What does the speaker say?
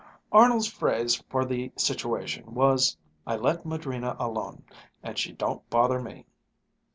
Arnold's phrase for the situation was, "I let Madrina alone, and she don't bother me."